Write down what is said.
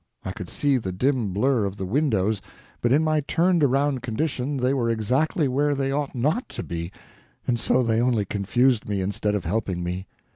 I could see the dim blur of the windows, but in my turned around condition they were exactly where they ought not to be, and so they only confused me instead of helping me.